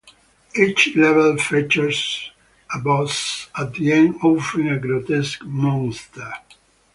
Each level features a boss at the end, often a grotesque monster.